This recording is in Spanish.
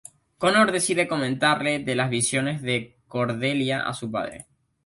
Connor decide comentarle de las visiones de Cordelia a su padre.